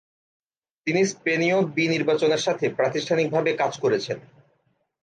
তিনি স্পেনীয় বি নির্বাচনের সাথে প্রাতিষ্ঠানিকভাবে কাজ করেছেন।